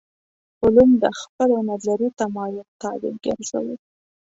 علوم د خپلو نظري تمایل طابع ګرځوو.